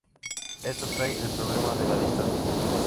Esto trae el problema de la distancia.